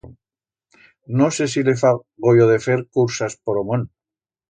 No sé si le fa goyo de fer cursas por o mont.